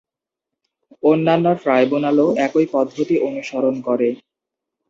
অন্যান্য ট্রাইব্যুনালও একই পদ্ধতি অনুসরণ করে।